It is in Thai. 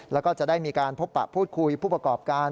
แล้วก็จะได้มีการพบปะพูดคุยผู้ประกอบการ